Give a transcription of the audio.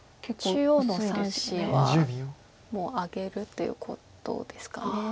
中央の３子はもうあげるということですか。